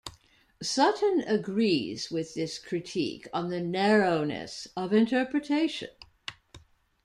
Sutton agrees with this critique on the narrowness of interpretation.